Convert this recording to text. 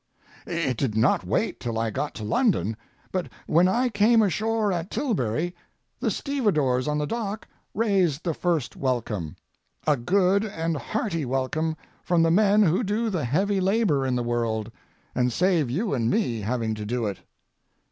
It did not wait till I got to London, but when I came ashore at Tilbury the stevedores on the dock raised the first welcome—a good and hearty welcome from the men who do the heavy labor in the world, and save you and me having to do it.